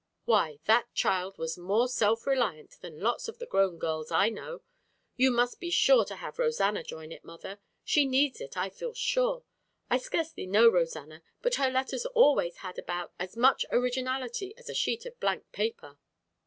Why, that child was more self reliant than lots of the grown girls I know. You must be sure to have Rosanna join it, mother. She needs it, I feel sure. I scarcely know Rosanna, but her letters always had about as much originality as a sheet of blank paper."